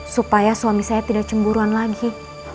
supaya suami saya tidak cemburuan lagi